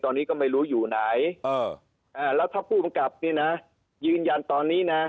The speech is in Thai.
ตอนนี้ก็ไม่รู้อยู่ไหนแล้วถ้าผู้กำกับนี่นะยืนยันตอนนี้นะ